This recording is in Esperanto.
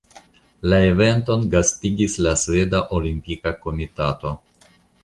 La eventon gastigis la Sveda Olimpika Komitato.